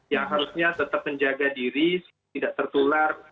yang harusnya tetap menjaga diri tidak tertular